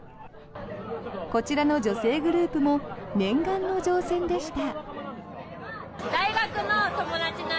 こちらの女性グループも念願の乗船でした。